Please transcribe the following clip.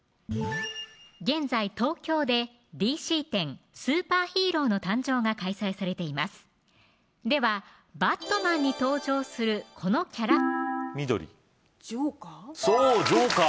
現在東京で「ＤＣ展スーパーヒーローの誕生」が開催されていますではバットマンに登場するこのキャラ緑ジョーカー